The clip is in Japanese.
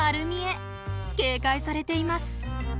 警戒されています。